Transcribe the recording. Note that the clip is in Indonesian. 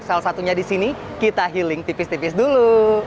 salah satunya di sini kita healing tipis tipis dulu